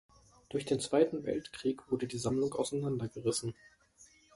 Durch den Zweiten Weltkrieg wurde die Sammlung auseinandergerissen.